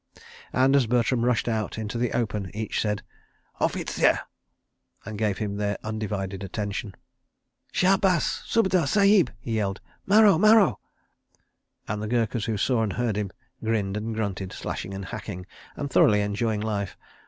And, as Bertram rushed out into the open, each said "Offizier!" and gave him their undivided attention. "Shah bas! Subedar Sahib," he yelled; "Maro! Maro!" and the Gurkhas who saw and heard him grinned and grunted, slashing and hacking, and thoroughly enjoying life.